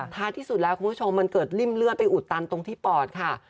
ท้ายที่สุดแล้วคุณผู้ชมมันเกิดริ่มเลือดไปอุดตันตรงที่ปอดค่ะ